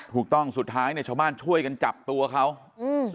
ถูกต้องสุดท้ายเนี่ยชาวบ้านช่วยกันจับตัวเขาอืม